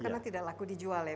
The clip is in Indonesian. karena tidak laku dijual ya